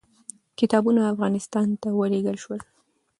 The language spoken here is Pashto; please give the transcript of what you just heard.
کتابونه افغانستان ته ولېږل شول.